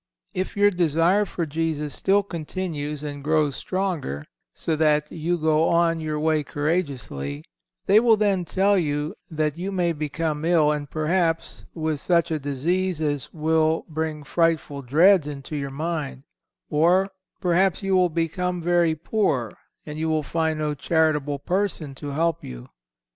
If your desire for Jesus still continues and grows stronger, so that you go on your way courageously, they will then tell you that you may become ill, and perhaps with such a disease as will bring frightful dreads into your mind; or perhaps you will become very poor and you will find no charitable person to help you.